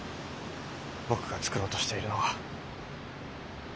僕が創ろうとしているのは。